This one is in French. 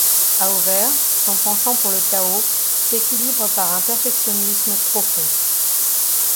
À Auvers, son penchant pour le chaos s'équilibre par un perfectionnisme profond.